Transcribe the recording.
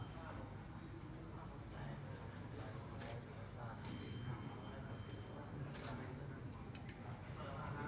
สวัสดีครับ